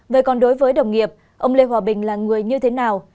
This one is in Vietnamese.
vậy còn đối với đồng nghiệp ông lê hòa bình là người như thế nào